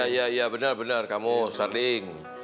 iya iya bener bener kamu sarding